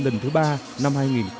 lần thứ ba năm hai nghìn một mươi sáu